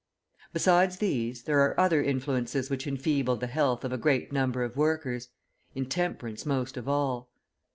Besides these, there are other influences which enfeeble the health of a great number of workers, intemperance most of all.